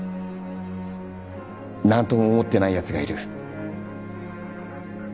何とも思ってないやつがいる。